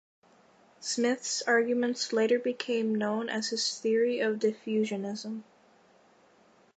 Smith's arguments later became known as his theory of diffusionism.